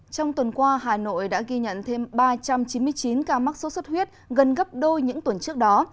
trong tuần qua hà nội đã ghi nhận thêm ba trăm chín mươi chín ca mắc sốt xuất huyết gần gấp đôi những tuần trước đó